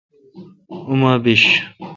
اوما بیش۔